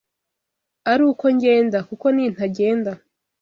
ari uko ngenda: kuko nintagenda,